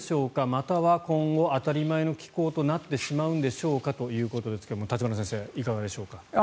または今後当たり前の気候となってしまうんでしょうかということですが立花先生、いかがでしょうか。